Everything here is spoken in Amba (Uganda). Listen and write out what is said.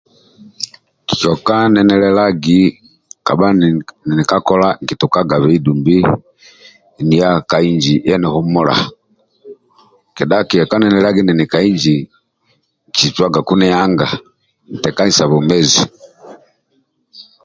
Kioka ninilelagibkabha ninili ka kola nkicuagaku nianga nitekaniza bwomezi